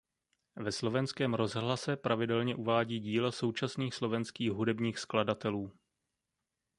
Ve Slovenském rozhlase pravidelně uvádí díla současných slovenských hudebních skladatelů.